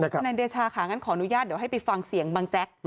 ทนายเดชาค่ะงั้นขออนุญาตเดี๋ยวให้ไปฟังเสียงบางแจ๊ก